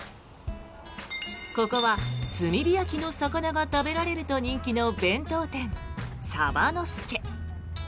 ここは炭火焼きの魚が食べられると人気の弁当店鯖の助。